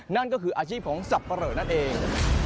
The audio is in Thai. นั่นก็คืออาชีพของสับปะเหลอนั่นเอง